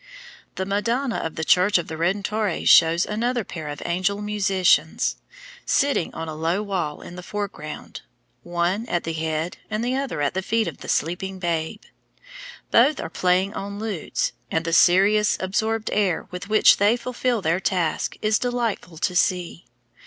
The Madonna of the Church of the Redentore shows another pair of angel musicians, sitting on a low wall in the foreground, one at the head and the other at the feet of the sleeping Babe. Both are playing on lutes, and the serious, absorbed air with which they fulfil their task is delightful to see.